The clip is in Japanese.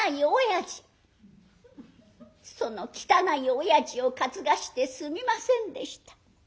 その汚い親父を担がせてすみませんでした。